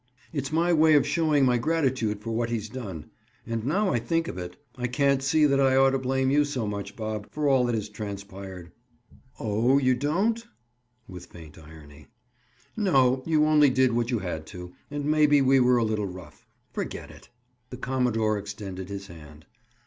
"It's my way of showing my gratitude for what he's done. And now I think of it, I can't see that I ought to blame you so much, Bob, for all that has transpired." "Oh, you don't?" With faint irony. "No; you only did what you had to, and maybe we were a little rough. Forget it." The commodore extended his hand.